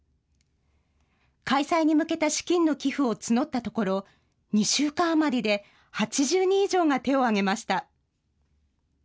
開催に向けた資金の寄付を募ったところ、２週間余りで８０人以上が手を上げました。